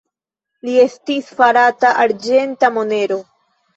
La estis farata arĝenta monero.